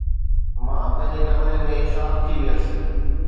مان پنهنجي ڪمري ۾ صاف ٿي ويس